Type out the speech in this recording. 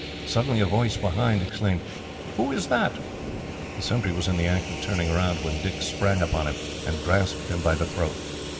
Suddenly a voice behind exclaimed, "Who is that?" The sentry was in the act of turning round, when Dick sprang upon him, and grasped him by the throat.